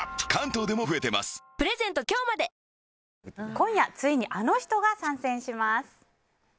今夜ついにあの人が参戦します。